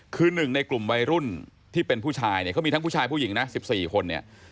คือหนึ่งในกลุ่มวัยรุ่นที่เป็นผู้ชายเนี่ยเขามีทั้งผู้ชายผู้หญิงนะ๑๔คนเนี่ย